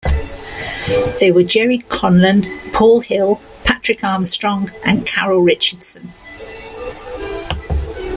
They were Gerry Conlon, Paul Hill, Patrick Armstrong and Carole Richardson.